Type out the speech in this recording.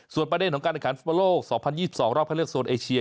ส่วนประเด็นของการเนื้อขันฟุตประโลก๒๐๒๒รอบให้เลือกโซนเอเชีย